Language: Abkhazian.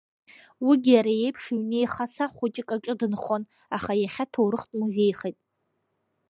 Уигьы иара еиԥш ҩнеихаса хәыҷык аҿы дынхон, аха иахьа ҭоурыхтә музеихеит…